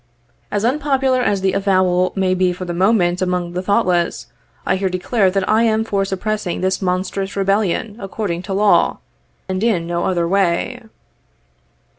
jls unpopular as the mo will may be for the moment among the thoughtless, I here declare thai lam for stqiprcssing this monstrous rebellion according to law, mid in no other xoay.